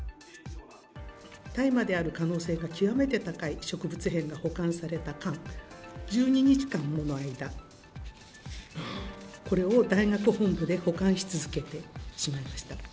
大麻である可能性が極めて高い植物片が保管された缶、１２日間もの間、これを大学本部で保管し続けてしまいました。